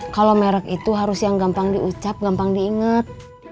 kalo merek itu harus yang gampang diucap gampang diinget